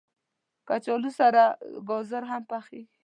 کچالو سره ګازر هم پخېږي